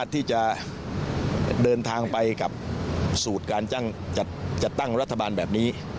ที่จะเดินทางไปกับสูตรการจัดตั้งรัฐบาลแบบนี้